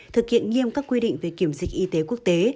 thực hiện nghiêm các quy định về kiểm dịch y tế quốc tế